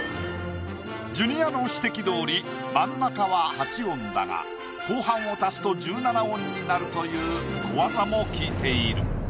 ジュニアの指摘どおり真ん中は８音だが後半を足すと１７音になるという小技も効いている。